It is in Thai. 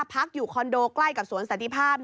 พักอยู่คอนโดใกล้กับสวนสันติภาพ